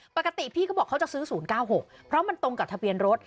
ปกติพี่เขาบอกเขาจะซื้อ๐๙๖เพราะมันตรงกับทะเบียนรถ